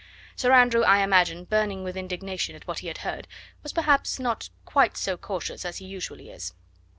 Sir Andrew, I imagine, burning with indignation at what he had heard, was perhaps not quite so cautious as he usually is.